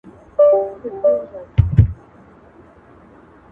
د تنقیدي بحث په اخر کې وار صدر صاحب ته ورسېد